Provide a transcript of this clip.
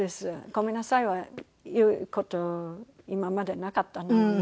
「ごめんなさい」は言う事今までなかったのに。